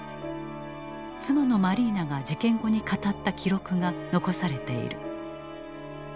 妻のマリーナが事件後に語った記録が残されている。